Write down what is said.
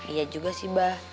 iya juga sih mba